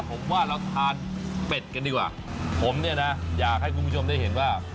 ผมว่าเราทานเป็ดกันดีกว่าผมเนี่ยนะอยากให้คุณผู้ชมได้เห็นว่า